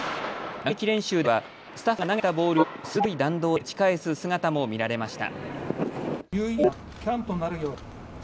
打撃練習ではスタッフが投げたボールを鋭い弾道で打ち返す姿も見られました。